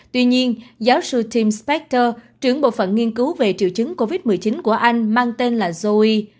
tuy nhiên giáo sư tim spactor trưởng bộ phận nghiên cứu về triệu chứng covid một mươi chín của anh mang tên là joe